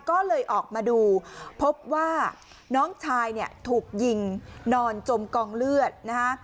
ก็เลยออกมาดูพบว่าน้องชายเนี่ยถูกยิงนอนจมกองเลือดนะฮะ